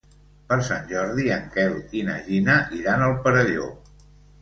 Per Sant Jordi en Quel i na Gina iran al Perelló.